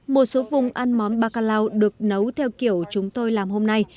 một số vùng ăn món bạc ca lao được nấu theo kiểu chúng tôi làm hôm nay